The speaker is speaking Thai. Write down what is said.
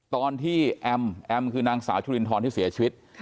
ตอนที่แอมแอมคือนางสาวชุรินทรที่เสียชีวิต